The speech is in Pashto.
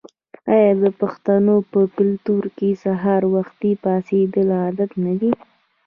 آیا د پښتنو په کلتور کې سهار وختي پاڅیدل عادت نه دی؟